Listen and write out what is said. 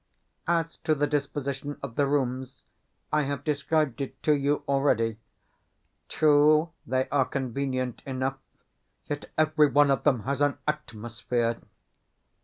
As to the disposition of the rooms, I have described it to you already. True, they are convenient enough, yet every one of them has an ATMOSPHERE.